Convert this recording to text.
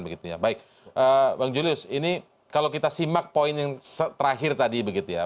baik bang julius ini kalau kita simak poin yang terakhir tadi begitu ya